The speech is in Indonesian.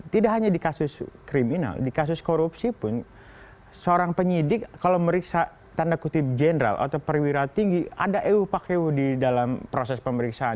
tidak hanya di kasus kriminal di kasus korupsi pun seorang penyidik kalau meriksa tanda kutip jenderal atau perwira tinggi ada eu pakeu di dalam proses pemeriksaan